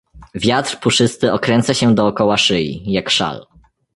Wiatr puszysty okręca się dookoła szyi, jak szal.